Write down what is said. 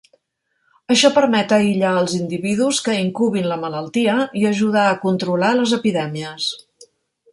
Això permet aïllar els individus que incubin la malaltia i ajudar a controlar les epidèmies.